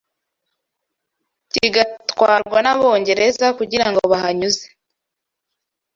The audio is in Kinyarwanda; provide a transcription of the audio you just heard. kigatwarwa n’Abongereza kugira ngo bahanyuze